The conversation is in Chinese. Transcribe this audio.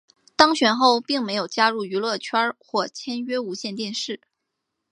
当选后并没有加入娱乐圈或签约无线电视。